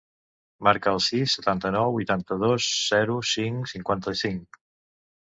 Marca el sis, setanta-nou, vuitanta-dos, zero, cinc, cinquanta-cinc.